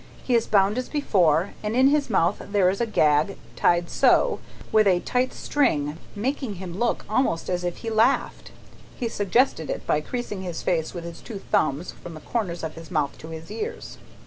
He is bound as before, and in his mouth there is a gag tied so, with a tight string, making him look almost as if he laughed." He suggested it, by creasing his face with his two thumbs, from the corners of his mouth to his ears.